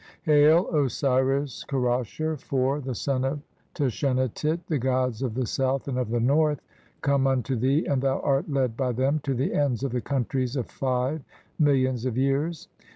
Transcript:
"[Hail] Osiris Kerasher, (4) the son of Tashenatit, "the gods of the South and of the North come unto "thee, and thou art led by them to the ends of the "countries of (5) millions of years.